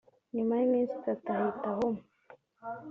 nyuma y’iminsi itatu ahita ahuma